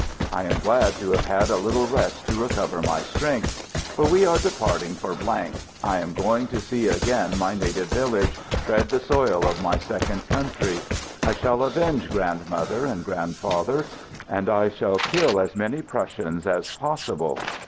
I am glad to have had a little rest to recover my strength. For we are departing for . I am going to see again my native village, tread the soil of my second country. I shall avenge grandmother and grand father, and I shall kill as many Prussians as possi ble.